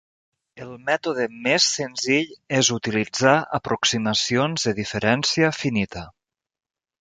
El mètode més senzill és utilitzar aproximacions de diferència finita.